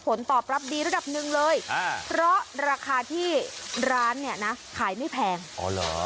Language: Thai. ผลตอบรับดีระดับหนึ่งเลยเพราะราคาที่ร้านเนี่ยนะขายไม่แพงอ๋อเหรอ